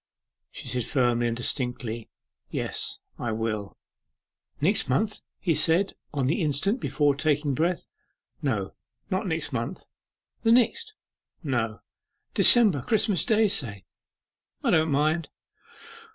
She said firmly and distinctly, 'Yes, I will.' 'Next month?' he said on the instant, before taking breath. 'No; not next month.' 'The next?' 'No.' 'December? Christmas Day, say?' 'I don't mind.